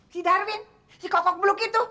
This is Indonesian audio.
si darwin si kokok beluk itu